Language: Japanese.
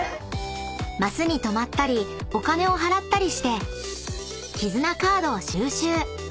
［マスに止まったりお金を払ったりして絆カードを収集］